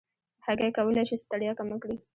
هګۍ کولی شي ستړیا کمه کړي.